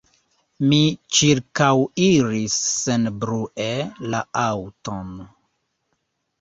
Mi ĉirkaŭiris senbrue la aŭton.